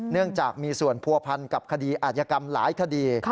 เนื่องจากมีส่วนผัวพันกับคดีอาจยกรรมหลายคดี